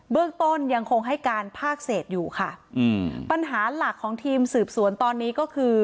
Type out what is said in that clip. เรื่องต้นยังคงให้การภาคเศษอยู่ค่ะอืมปัญหาหลักของทีมสืบสวนตอนนี้ก็คือ